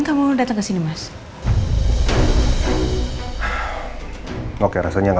kalau aku ingin melakukan